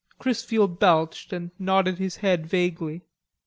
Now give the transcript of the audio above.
Chrisfield belched and nodded his head vaguely.